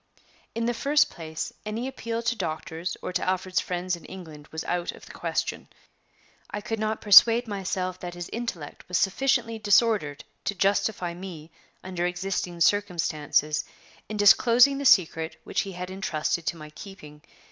In the first place, any appeal to doctors or to Alfred's friends in England was out of the question. I could not persuade myself that his intellect was sufficiently disordered to justify me, under existing circumstances, in disclosing the secret which he had intrusted to my keeping.